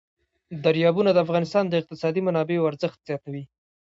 دریابونه د افغانستان د اقتصادي منابعو ارزښت زیاتوي.